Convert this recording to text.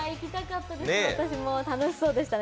楽しそうでしたね。